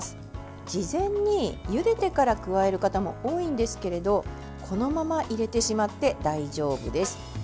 事前にゆでてから加える方も多いんですけれどこのまま入れてしまって大丈夫です。